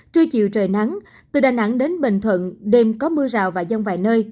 trưa chiều trời nắng từ đà nẵng đến bình thuận đêm có mưa rào vài nơi